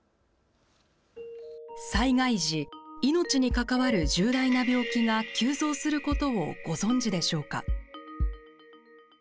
災害時、命に関わる重大な病気が急増することをご存じでしょうか。